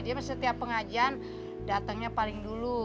dia setiap pengajian datangnya paling dulu